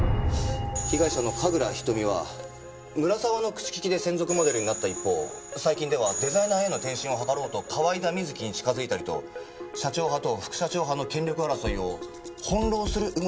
被害者の神楽瞳は村沢の口利きで専属モデルになった一方最近ではデザイナーへの転身を図ろうと河井田瑞希に近づいたりと社長派と副社長派の権力争いを翻弄する動きをしていたようです。